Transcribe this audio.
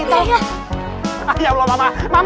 ya allah mama